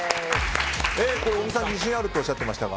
小木さん、自信あるとおっしゃってましたが。